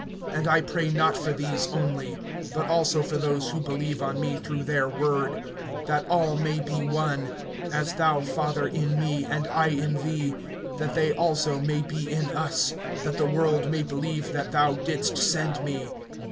(20)And I pray not for these only, but also for those who believe on me through their word; (21)that all may be one; as thou, Father, in me and I in thee, that they also may be in us; that the world may believe that thou didst send me.